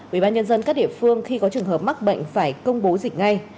ubnd các địa phương khi có trường hợp mắc bệnh phải công bố dịch ngay